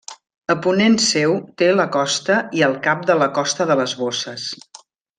A ponent seu té la Costa i el Cap de la Costa de les Bosses.